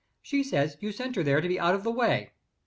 She says you sent her there to be out of the way."